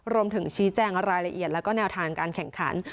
รวมถึงชี้แจงรายละเอียดแล้วก็แนวทางการแข่งขัน